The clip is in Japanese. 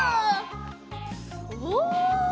お！